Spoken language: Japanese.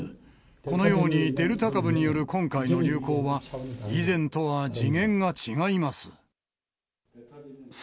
このようにデルタ株による今回の流行は、以前とは次元が違います。